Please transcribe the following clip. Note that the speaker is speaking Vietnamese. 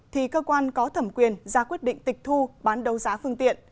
thì cơ quan có thẩm quyền ra quyết định tịch thu bán đấu giá phương tiện